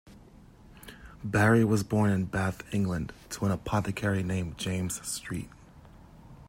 Barry was born in Bath, England, to an apothecary named James Street.